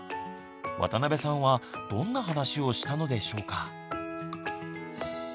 渡邊さんはどんな話をしたのでしょうか？